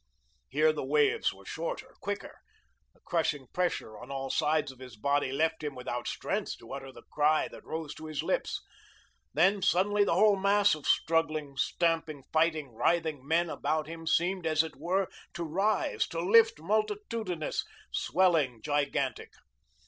Here the waves were shorter, quicker, the crushing pressure on all sides of his body left him without strength to utter the cry that rose to his lips; then, suddenly the whole mass of struggling, stamping, fighting, writhing men about him seemed, as it were, to rise, to lift, multitudinous, swelling, gigantic.